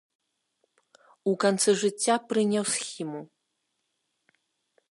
У канцы жыцця прыняў схіму.